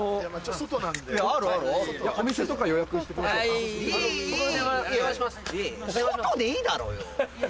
外でいいだろうよ！